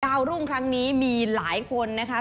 รุ่งครั้งนี้มีหลายคนนะคะ